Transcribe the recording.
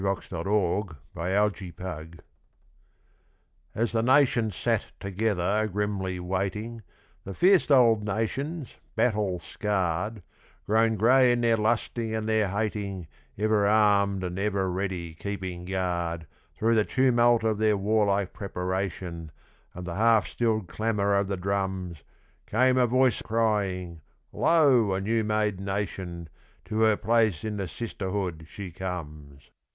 Song of the Federation As the nations sat together, grimly waiting The fierce old nations battle scarred Grown grey in their lusting and their hating, Ever armed and ever ready keeping guard, Through the tumult of their warlike preparation And the half stilled clamour of the drums Came a voice crying, 'Lo! a new made nation, To her place in the sisterhood she comes!'